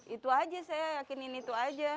itu aja saya yakinin itu aja